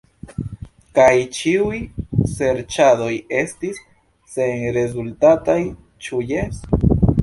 Kaj ĉiuj serĉadoj estis senrezultataj; ĉu jes?